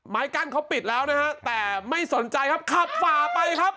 ไม้กั้นเขาปิดแล้วนะฮะแต่ไม่สนใจครับขับฝ่าไปครับ